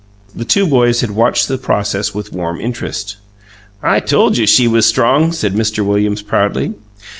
The two boys had watched the process with warm interest. "I told you she was strong!" said Mr. Williams proudly.